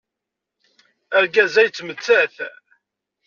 Argaz-a yettemttat.